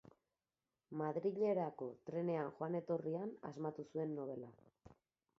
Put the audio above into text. Madrilerako trenean joan-etorrian asmatu zuen nobela.